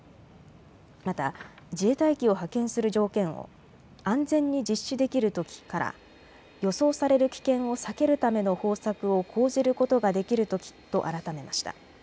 また、自衛隊機を派遣する条件を安全に実施できる時から予想される危険を避けるための方策を講じることができる時と改めました。